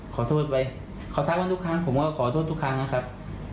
ขอโทษไว้เขาทักว่าทุกครั้งผมก็ขอโทษทุกครั้งนะครับ